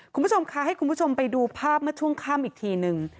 คุณผู้ชมคะให้คุณผู้ชมไปดูภาพเมื่อช่วงค่ำอีกทีนึง